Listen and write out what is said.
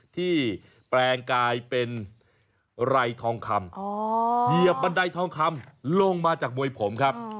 แปลงกลายเป็นไรทองคำเหยียบบันไดทองคำลงมาจากมวยผมครับ